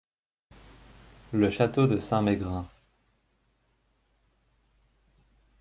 Le château de Saint-Maigrin.